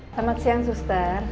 selamat siang suster